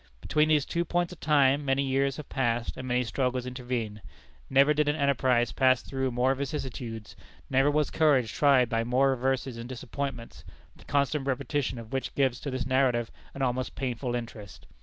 Between these two points of time many years have passed, and many struggles intervened. Never did an enterprise pass through more vicissitudes; never was courage tried by more reverses and disappointments, the constant repetition of which gives to this narrative an almost painful interest.